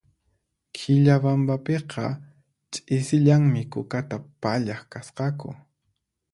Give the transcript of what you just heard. Quillabambapiqa ch'isillanmi kukata pallaq kasqaku